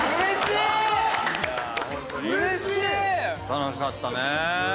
楽しかったねぇ。